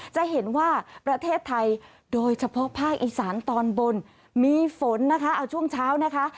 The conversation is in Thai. จะเห็นว่าประเทศไทยโดยเฉพาะภาคอีสานตอนบนมีฝนนะคะเอาช่วงเช้านะคะ